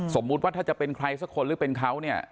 สมมุติว่าถ้าจะเป็นใครสักคนหรือเป็นเขาเนี่ย